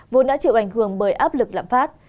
vốn đã chịu ảnh hưởng bởi áp lực lạm phát